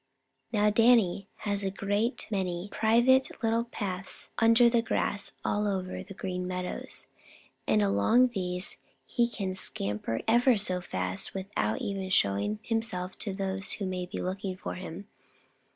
Now Danny has a great many private little paths under the grass all over the Green Meadows, and along these he can scamper ever so fast without once showing himself to those who may be looking for him.